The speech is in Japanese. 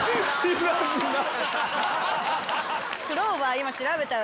今調べたら。